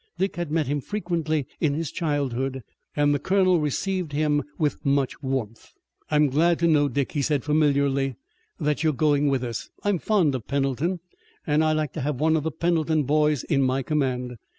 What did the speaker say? Dick had met him frequently in his childhood, and the Colonel received him with much warmth. "I'm glad to know, Dick," he said familiarly, "that you're going with us. I'm fond of Pendleton, and I like to have one of the Pendleton boys in my command.